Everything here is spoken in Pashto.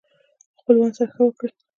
خپلوانو سره ښه وکړئ